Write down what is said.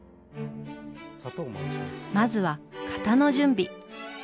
まずは型の準備。